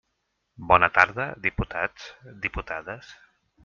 Bona tarda, diputats, diputades.